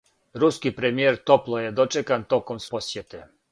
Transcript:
Руски премијер топло је дочекан током своје посјете.